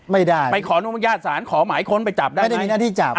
ไม่ได้ไปขออนุญาตศาลขอหมายค้นไปจับได้ไหม